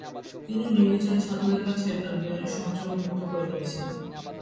তিনিও নির্বিচারে ছাত্রদের কাছে তাঁর জ্ঞানের সঞ্চয় উন্মুক্ত করে দিয়েছিলেন।